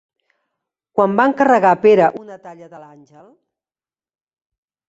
Quan va encarregar Pere una talla de l'àngel?